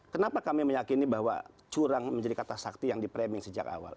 kenapa kami meyakini bahwa curang menjadi kata sakti yang di framing sejak awal